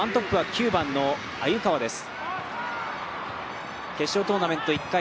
９番の鮎川です。